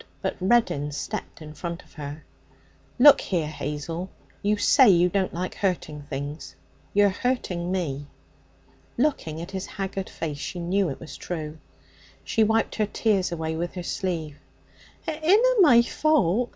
But Reddin stepped in front of her. 'Look here, Hazel! You say you don't like hurting things. You're hurting me!' Looking at his haggard face, she knew it was true. She wiped her tears away with her sleeve. 'It inna my fault.